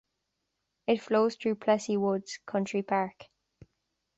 It flows through Plessey Woods Country Park.